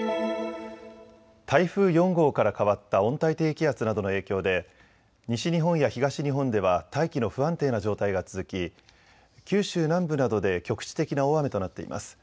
台風４号から変わった温帯低気圧などの影響で西日本や東日本では大気の不安定な状態が続き、九州南部などで局地的な大雨となっています。